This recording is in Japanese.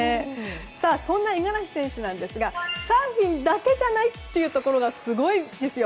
そんな五十嵐選手なんですがサーフィンだけじゃないというところがすごいんですよ。